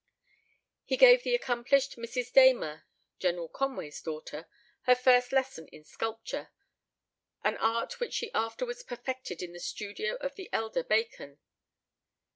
He gave the accomplished Mrs. Damer (General Conway's daughter) her first lessons in sculpture, an art which she afterwards perfected in the studio of the elder Bacon.